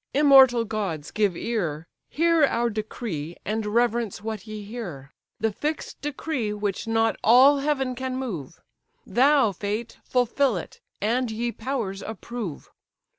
immortal gods! give ear, Hear our decree, and reverence what ye hear; The fix'd decree which not all heaven can move; Thou, fate! fulfil it! and, ye powers, approve!